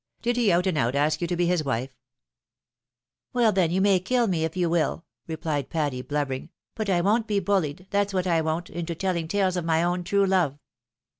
Did he out and out ask you to be his wife ?" Well, then, you may kiU me, if you will," replied Patty, blubbering, " but I won't be buUied, that's what 1 won't, into teUing tales of my own true love."